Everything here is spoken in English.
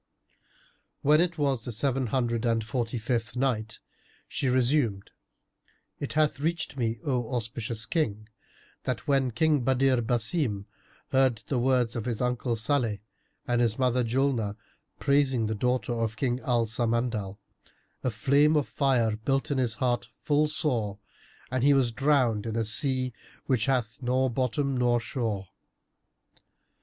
When it was the Seven Hundred and Forty fifth Night, She resumed, It hath reached me, O auspicious King, that when King Badr Basim heard the words of his uncle Salih and his mother Julnar, praising the daughter of King Al Samandal, a flame of fire burnt in his heart full sore and he was drowned in a sea which hath nor bottom nor shore.